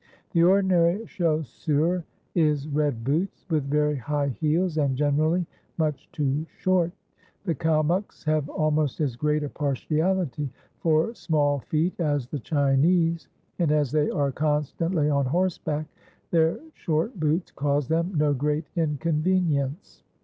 The ordinary chaussure is red boots with very high heels and generally much too short. The Kalmuks have almost as great a partiality for small feet as the Chinese, and, as they are constantly on horseback, their short boots cause them no great inconvenience.